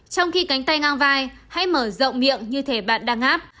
trong khi cánh tay ngang vai hãy mở rộng miệng như thể bạn đang áp